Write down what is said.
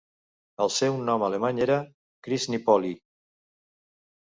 El seu nom alemany era Krisnipolye.